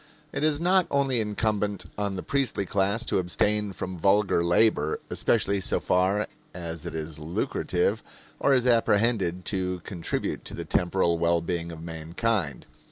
It is not only incumbent on the priestly class to abstain from vulgar labor, especially so far as it is lucrative or is apprehended to contribute to the temporal well being of mankind.